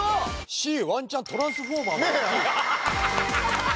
Ｃワンチャン『トランスフォーマー』。